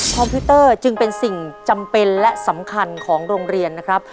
พิวเตอร์จึงเป็นสิ่งจำเป็นและสำคัญของโรงเรียนนะครับ